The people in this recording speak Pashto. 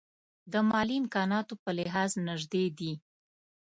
د مالي امکاناتو په لحاظ نژدې دي.